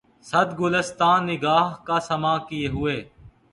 صد گلستاں نِگاه کا ساماں کئے ہوے